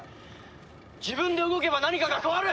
自分で動けば何かが変わる！